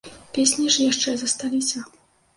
Песні ж яшчэ засталіся.